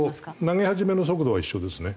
投げ始めの速度は一緒ですね。